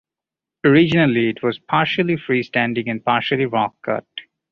Originally, it was partially free-standing and partially rock-cut.